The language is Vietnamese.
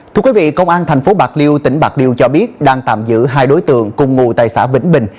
thưa quý vị công an tp bạc liêu tỉnh bạc liêu cho biết đang tạm giữ hai đối tượng cùng ngụ tài xã vĩnh bình